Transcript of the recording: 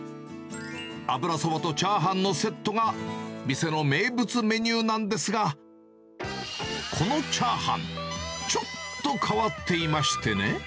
油そばとチャーハンのセットが店の名物メニューなんですが、このチャーハン、ちょっと変わっていましてね。